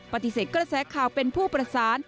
ปฏิเสธกระแสข่าวเป็นผู้ประสาน